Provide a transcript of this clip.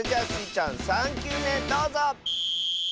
ちゃん３きゅうめどうぞ！